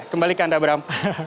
kembali ke anda dobram